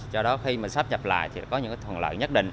do đó khi mà sắp nhập lại thì có những cái thuận lợi nhất định